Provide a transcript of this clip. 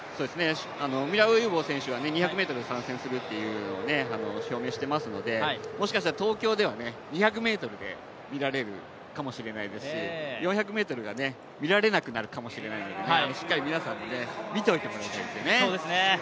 ミラーウイボ選手は２００ｍに参戦するっていうのを表明をしていますので、もしかしたら東京では２００ｍで見られるかもしれないですし４００ｍが見られなくなるかもしれないので、しっかり皆さんに見といてもらいたいですよね。